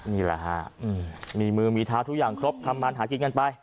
นี่แหละฮะมีมือมีเท้าทุกอย่างครบทำมันหากินกันไป